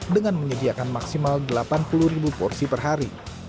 dengan menyediakan maksimal delapan puluh ribu porsi per hari